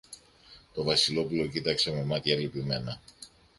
Το Βασιλόπουλο κοίταξε με μάτια λυπημένα